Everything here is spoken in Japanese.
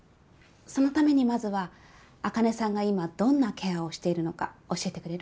そのためにまずは茜さんが今どんなケアをしているのか教えてくれる？